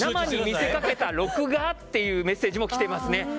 生に見せかけた録画？というメッセージきていますね。